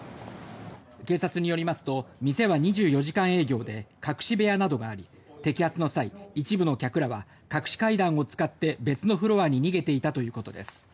警察によりますと店は２４時間営業で隠し部屋などがあり摘発の際一部の客らは隠し階段を使って別のフロアに逃げていたということです。